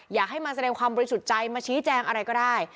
อยากให้มาแสดงความบริสุทธิ์ใจมาชี้แจงอะไรก็ได้